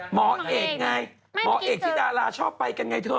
หมอเหกที่ดาราชอบไปกันไงเธอ